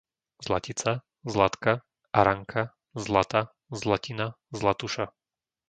Zlatica, Zlatka, Aranka, Zlata, Zlatina, Zlatuša